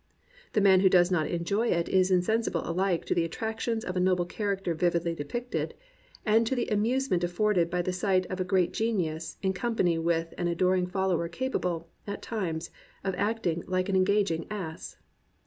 The man who does not enjoy it is insensible alike to the attractions of a noble character vividly depicted, and to the amuse ment afforded by the sight of a great genius in com pany with an adoring follower capable, at times, of acting like an engaging ass.